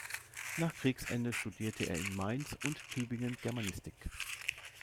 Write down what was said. Nach Kriegsende studierte er in Mainz und Tübingen Germanistik.